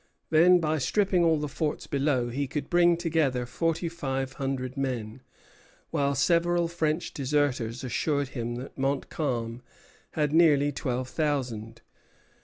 Then, by stripping all the forts below, he could bring together forty five hundred men; while several French deserters assured him that Montcalm had nearly twelve thousand.